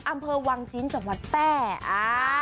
อำเภอวังจีนจำวัดแปะ